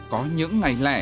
có những ngày lẻ